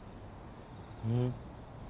うん？